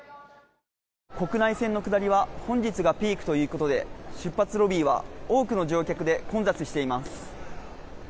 国内線の下りは本日がピークということで出発ロビーは多くの乗客で混雑しています。